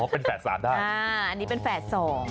อ๋อเป็นแฝด๓ได้อันนี้เป็นแฝด๒